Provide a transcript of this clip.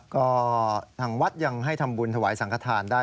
ก็ทางวัดยังให้ทำบุญถวายสังขทานได้